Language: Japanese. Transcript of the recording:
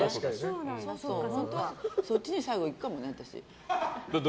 そっちに最後いくかもね、私。